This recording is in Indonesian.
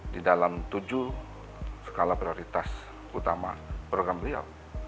di dalam tujuh skala prioritas utama program beliau